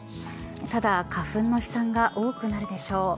ただ、花粉の飛散が多くなるでしょう。